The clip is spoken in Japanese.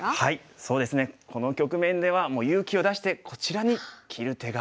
そうですねこの局面ではもう勇気を出してこちらに切る手が。